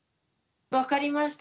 分かりました。